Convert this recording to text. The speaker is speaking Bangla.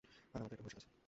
আর আমাদের একটা ভবিষ্যৎ আছে।